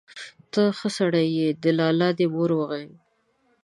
ته ښه سړى يې، د لالا دي مور غيم.